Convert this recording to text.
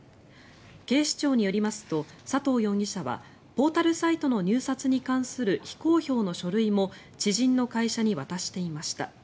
警視庁によりますと佐藤容疑者はポータルサイトの入札に関する非公表の書類も知人の会社に渡していました。